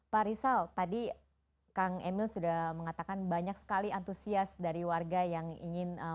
pak rizal tadi kang emil sudah mengatakan banyak sekali antusias dari warga yang ingin memberikan nama kepada kereta api